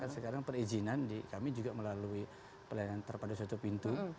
sekarang perizinan kami juga melalui pelayanan terpadu satu pintu